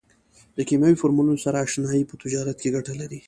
د کیمیاوي فورمولونو سره اشنایي په تجارت کې ګټه لري.